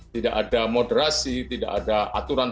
tidak ada moderasi tidak ada aturan